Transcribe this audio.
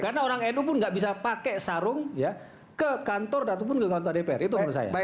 karena orang nu pun nggak bisa pakai sarung ke kantor ataupun ke kantor dpr itu menurut saya